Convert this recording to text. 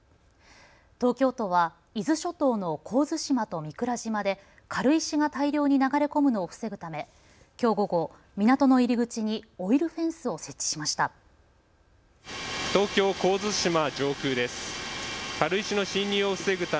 東京都は伊豆諸島の神津島と御蔵島で軽石が大量に流れ込むのを防ぐためきょう午後、港の入り口にオイルフェンスを設置しました。